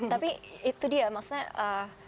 tapi itu dia maksudnya